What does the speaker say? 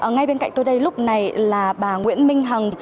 ngay bên cạnh tôi đây lúc này là bà nguyễn minh hằng